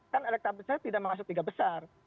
kan elektra peserta tidak masuk tiga besar